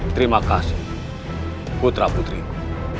terima kasih putra putriku